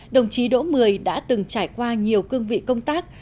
đồng chí đỗ mười đã từng trải qua nhiều cương vị công tác